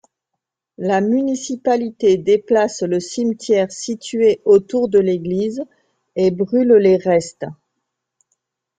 La municipalité déplace le cimetière situé autour de l'église et brûle les restes.